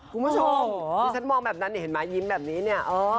คุณผู้ชมถ้าฉันมองแบบนั้นเห็นมั้ยยิ้มแบบนี้เนี่ย